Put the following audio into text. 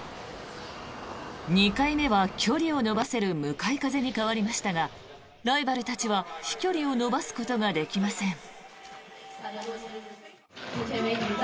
２回目は距離を伸ばせる向かい風に変わりましたがライバルたちは飛距離を伸ばすことができません。